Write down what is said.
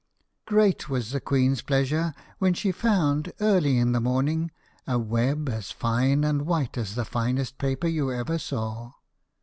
Great was the queen's pleasure when she found early in the morning a web as fine and white as the finest paper you ever saw.